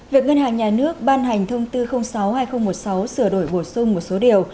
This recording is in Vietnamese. việc ngân hàng nhà nước ban hành thông tư sáu hai nghìn một mươi sáu sửa đổi bổ sung một số điều